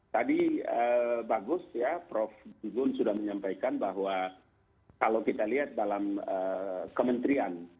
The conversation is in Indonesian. tadi bagus ya prof gugun sudah menyampaikan bahwa kalau kita lihat dalam kementerian